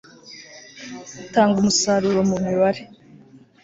utanga umusaruro mu mibare